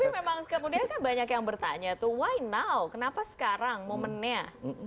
tapi memang kemudian kan banyak yang bertanya tuh why now kenapa sekarang momennya